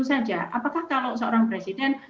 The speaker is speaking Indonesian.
saja apakah kalau seorang presiden